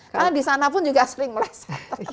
karena di sana pun juga sering meleset